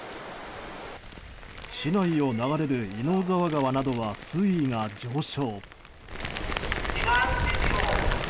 市内を流れる稲生沢川などは水位が上昇。